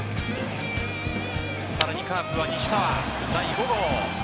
さらにカープは西川、第５号。